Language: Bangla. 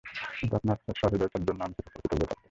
কিন্তু আপনার সহৃদয়তার জন্য আমি চিরকাল কৃতজ্ঞ থাকব।